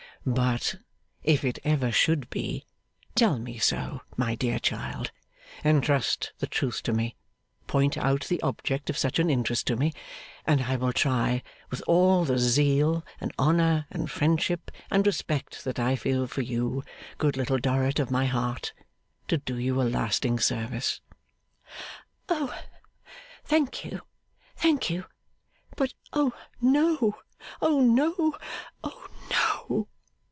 'But, if it ever should be, tell me so, my dear child. Entrust the truth to me, point out the object of such an interest to me, and I will try with all the zeal, and honour, and friendship and respect that I feel for you, good Little Dorrit of my heart, to do you a lasting service.' 'O thank you, thank you! But, O no, O no, O no!